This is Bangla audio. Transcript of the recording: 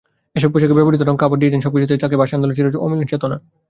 এসব পোশাকে ব্যবহূত রং, কাপড়, ডিজাইন—সবকিছুতেই থাকে ভাষা আন্দোলনের চির অমলিন চেতনা।